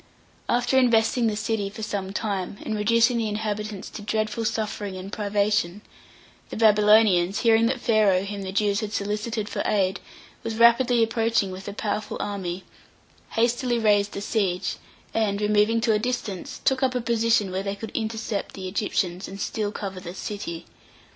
After investing the city for some time, and reducing the inhabitants to dreadful suffering and privation, the Babylonians, hearing that Pharaoh, whom the Jews had solicited for aid, was rapidly approaching with a powerful army, hastily raised the siege, and, removing to a distance, took up a position where they could intercept the Egyptians, and still cover the city.